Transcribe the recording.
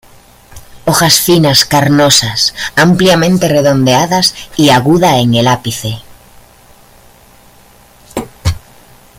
Hojas finas carnosas, ampliamente redondeadas y aguda en el ápice.